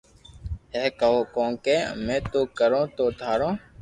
ھي ڪونڪھ ھمي نو ڪري تو ٿارو